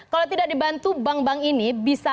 kalau tidak dibantu bank bank ini bisa